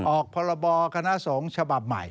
พรบคณะสงฆ์ฉบับใหม่